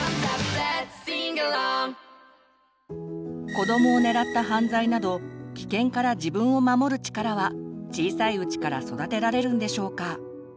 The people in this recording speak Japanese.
子どもを狙った犯罪など危険から自分を守る力は小さいうちから育てられるんでしょうか？